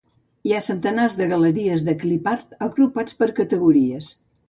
Hi ha centenars de galeries de clip art, agrupats per categories.